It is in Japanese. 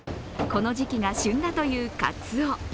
この時期が旬だというかつお。